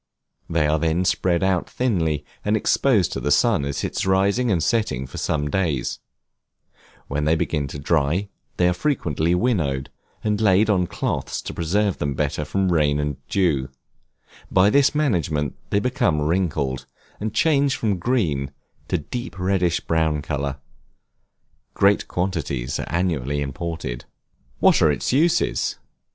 They are then spread out thinly, and exposed to the sun at its rising and setting for some days; when they begin to dry, they are frequently winnowed, and laid on cloths to preserve them better from rain and dew; by this management they become wrinkled, and change from green to a deep reddish brown color. Great quantities are annually imported. What are its uses?